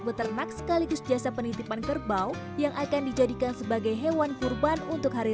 beternak sekaligus jasa penitipan kerbau yang akan dijadikan sebagai hewan kurban untuk hari